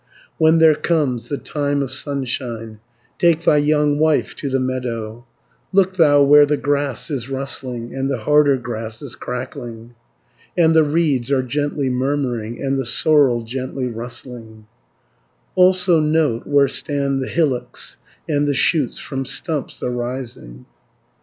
50 When there comes the time of sunshine, Take thy young wife to the meadow, Look thou where the grass is rustling, And the harder grass is crackling, And the reeds are gently murmuring, And the sorrel gently rustling, Also note where stand the hillocks, And the shoots from stumps arising.